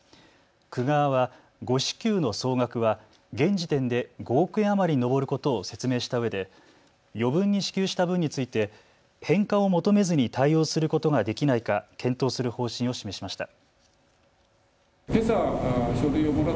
区側は誤支給の総額は現時点で５億円余りに上ることを説明したうえで余分に支給した分について返還を求めずに対応することができないか検討する方針を示しました。